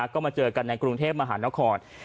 ก็มาเจอกันในกรุงเทพมหานคร